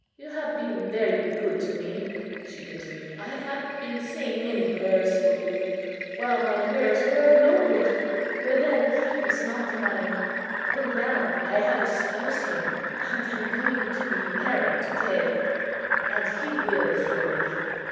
"You have been very good to me," she continued; "I have been saying many prayers for you, while my prayers were of no good, for then He was not mine. But now I have espoused Him, and am going to be married to day, and He will hear me."